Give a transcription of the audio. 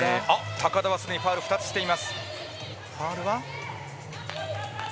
高田はすでにファウルを２つしています。